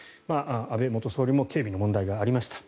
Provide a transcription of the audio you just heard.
安倍元総理も警備の問題がありました。